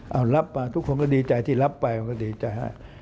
เอารับมาทุกคนก็ดีใจที่รับไปมันก็ดีใจฮะ